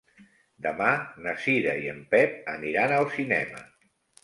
Demà na Cira i en Pep aniran al cinema.